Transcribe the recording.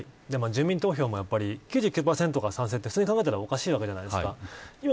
住民投票も、９９％が賛成というのは普通に考えたらおかしいじゃないですか。